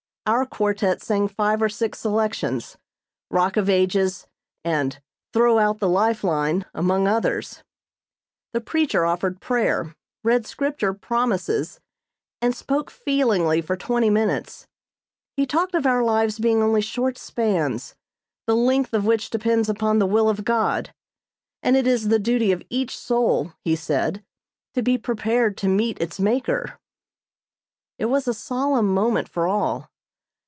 Our quartet sang five or six selections, "Rock of Ages" and "Throw Out the Life line" among others. The preacher offered prayer, read Scripture promises, and spoke feelingly for twenty minutes. He talked of our lives being only short spans, the length of which depends upon the will of God; and it is the duty of each soul, he said, to be prepared to meet its Maker. It was a solemn moment for all.